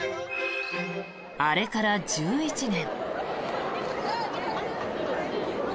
あれから１１年。